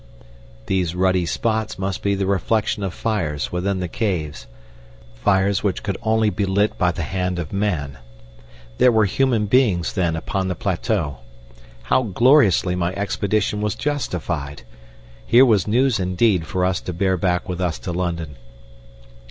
These ruddy spots must be the reflection of fires within the caves fires which could only be lit by the hand of man. There were human beings, then, upon the plateau. How gloriously my expedition was justified! Here was news indeed for us to bear back with us to London!